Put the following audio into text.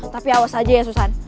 tapi awas aja ya susan